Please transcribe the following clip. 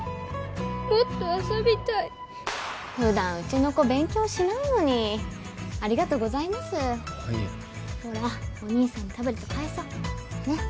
もっと遊びたい・ふだんうちの子勉強しないのにありがとうございますああいえほらお兄さんにタブレット返そうねっ・